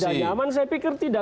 tidak nyaman saya pikir tidak